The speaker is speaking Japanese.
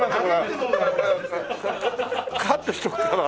カットしとくから。